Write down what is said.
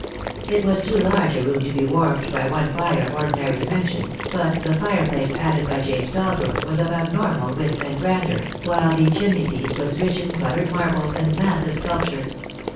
It was too large a room to be wanned by one fire of ordinary dimensions, but the fireplace added by James Dalbrook was of abnormal width and grandeur, while the chimney piece was rich in coloured marbles and massive sculpture.